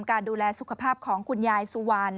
การดูแลสุขภาพของคุณยายสุวรรณ